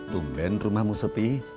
tumben rumahmu sepi